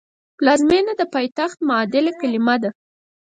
پلازمېنه د پایتخت معادل کلمه ده